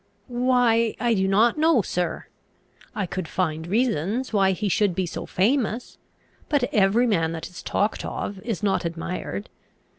"Why, I do not know, sir. I could find reasons why he should be so famous; but every man that is talked of is not admired.